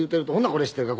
これ知っているか？